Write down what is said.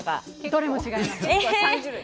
どれも違います。